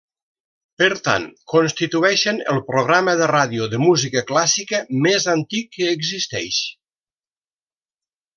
Per tant, constitueixen el programa de ràdio de música clàssica més antic que existeix.